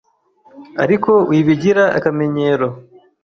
ariko wibigira akamenyero